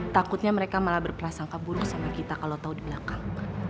takutnya mereka malah berprasangka buruk sama kita kalau tahu di belakang